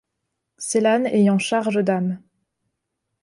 C'est l'âne ayant charge d'âmes